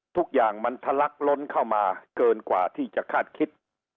ทุกอย่างมันทะลักล้นเข้ามาเกินกว่าที่จะคาดคิด